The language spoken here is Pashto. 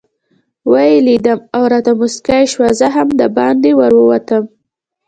ویې لیدم او راته مسکۍ شوه، زه هم دباندې ورووتم.